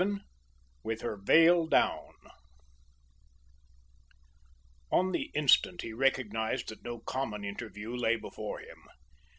VII WITH HER VEIL DOWN On the instant he recognised that no common interview lay before him.